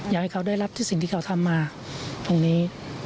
อยากให้เขาได้รับที่สิ่งที่เขาทำมาตรงนี้